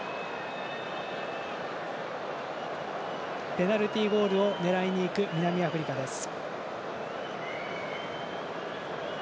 ペナルティゴールを狙いにいく南アフリカです。